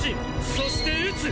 そして打つ！